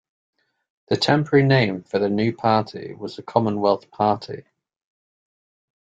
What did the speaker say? The temporary name for the new party was the Commonwealth Party.